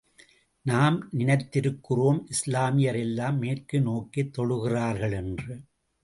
நாம் நினைத்திருக்கிறோம், இஸ்லாமியர் எல்லாம் மேற்கு நோக்கித் தொழுகிறார்கள் என்று.